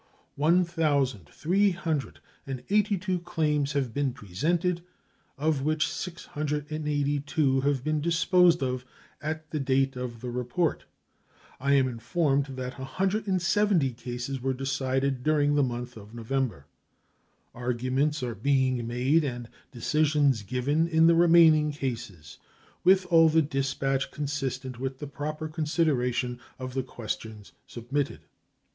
One thousand three hundred and eighty two claims have been presented, of which 682 had been disposed of at the date of the report. I am informed that 170 cases were decided during the month of November. Arguments are being made and decisions given in the remaining cases with all the dispatch consistent with the proper consideration of the questions submitted.